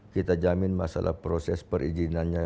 kita jamin masalah proses perizinannya